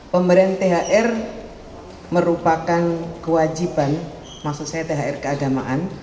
pemberian thr merupakan kewajiban maksud saya thr keagamaan